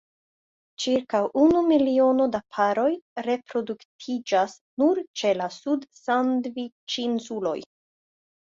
Ĉirkaŭ unu miliono da paroj reproduktiĝas nur ĉe la Sud-Sandviĉinsuloj.